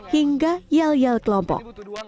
hingga yel yel kelompok